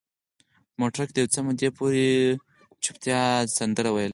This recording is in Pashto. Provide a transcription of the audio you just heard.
په موټر کې د یو څه مودې پورې چوپتیا سندره ویله.